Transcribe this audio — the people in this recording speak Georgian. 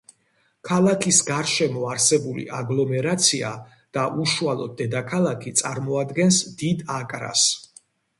ქალაქის გარშემო არსებული აგლომერაცია და უშუალოდ დედაქალაქი, წარმოადგენს დიდ აკრას.